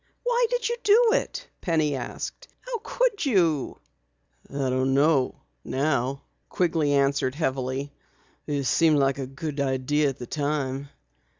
"Why did you do it?" Penny asked. "How could you?" "I don't know now," Quigley answered heavily. "It seemed like a good idea at the time."